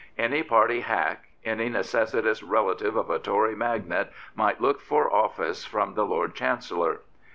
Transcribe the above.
Any party hack, any necessitous relative of a Tory magnate, might look for office from the Lord Chancellor.